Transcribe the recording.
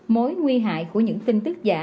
mối nguy hại của những tin tức giả